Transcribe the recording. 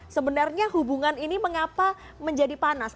sebenarnya hubungan ini mengapa menjadi panas